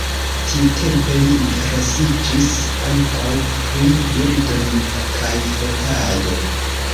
Tiutempe li interesiĝis ankaŭ pri birdoj kaj fotado.